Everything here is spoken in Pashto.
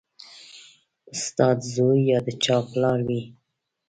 استاد زوی یا د چا پلار وي